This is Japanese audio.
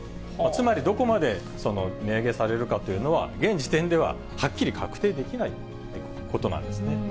つまりどこまで値上げされるかというのは、現時点でははっきり確定できないということなんですね。